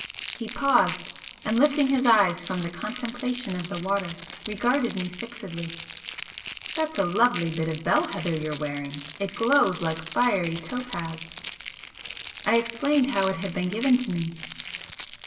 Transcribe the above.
He paused, and lifting his eyes from the contemplation of the water, regarded me fixedly. "That's a lovely bit of bell heather you're wearing! It glows like fiery topaz." I explained how it had been given to me.